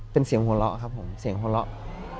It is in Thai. เป็นเสียงหัวเราะครับผมเสียงหัวเราะ